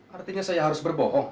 artinya saya harus berbohong